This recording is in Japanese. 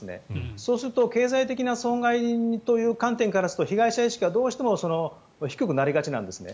そうすると経済的な損害という観点からすると被害者意識はどうしても低くなりがちなんですね。